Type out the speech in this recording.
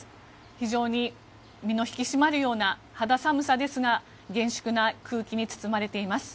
非常に身の引き締まるような肌寒さですが厳粛な空気に包まれています。